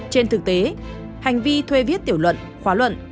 trên thực tế hành vi thuê viết tiểu luận khóa luận